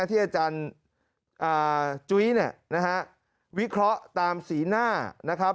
ที่อาจารย์จุ้ยเนี่ยนะฮะวิเคราะห์ตามสีหน้านะครับ